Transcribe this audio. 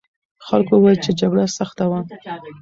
خلکو وویل چې جګړه سخته وه.